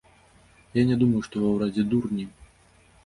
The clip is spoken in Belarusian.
Я не думаю, што ва ўрадзе дурні.